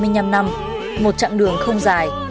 ba mươi năm năm một chặng đường không dài